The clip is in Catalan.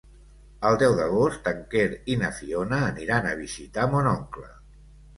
El deu d'agost en Quer i na Fiona aniran a visitar mon oncle.